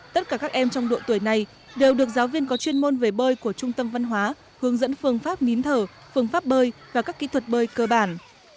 tất cả các em trong độ tuổi này đều được giáo viên có chuyên môn về bơi của trung tâm văn hóa hướng dẫn phương pháp nín thở phương pháp bơi và các kỹ thuật bơi cơ bản